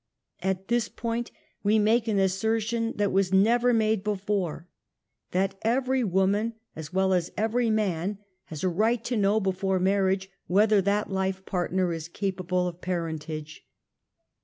At this point we make an assertion that was never made before, that every woman, as well as every BARRENNESS. 65 man, has a right to know before marriage whether that life partner is capable of parentage.